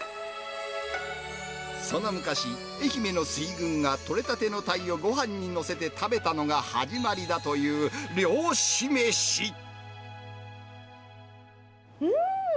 その昔、愛媛の水軍がとれたてのタイをごはんに載せて食べたのが始まりだうーん！